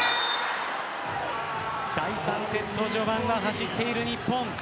第３セット序盤は走っている日本。